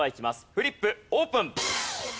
フリップオープン！